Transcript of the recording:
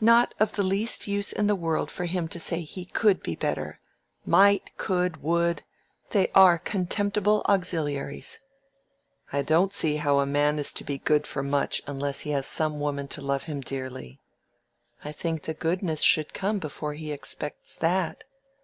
"Not of the least use in the world for him to say he could be better. Might, could, would—they are contemptible auxiliaries." "I don't see how a man is to be good for much unless he has some one woman to love him dearly." "I think the goodness should come before he expects that."